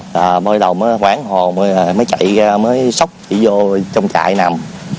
rồi bắt đầu quảng hồ mới chạy ra mới sóc chị vô trong chạy nằm